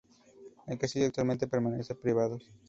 El castillo actualmente pertenece a privados.